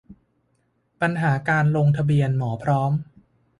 ปัญหาการลงทะเบียนหมอพร้อม